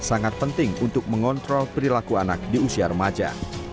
sangat penting untuk mengontrol perilaku anak di usia remaja